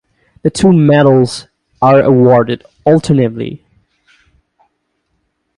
The two medals are awarded alternately.